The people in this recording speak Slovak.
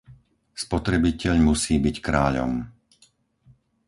Spotrebiteľ musí byť kráľom.